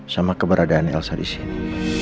sama keberadaan elsa disini